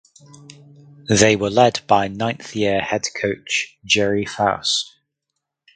They were led by ninth–year head coach Gerry Faust.